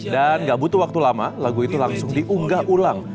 dan gak butuh waktu lama lagu itu langsung diunggah ulang